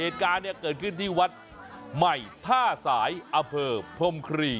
ว่านี่ไฟตาแสหวะใหม่ท่าสายอเฟิร์มผมคลีฯ